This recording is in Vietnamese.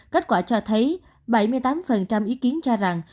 kết quả cho thấy bảy mươi tám ý kiến cho rằng